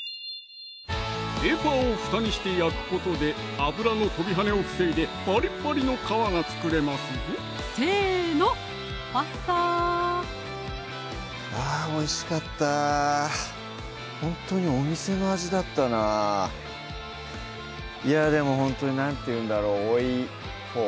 ペーパーをふたにして焼くことで油の飛び跳ねを防いでパリパリの皮が作れますぞせのファサあぁおいしかったほんとにお店の味だったないやでもほんとに何て言うんだろうオイフォー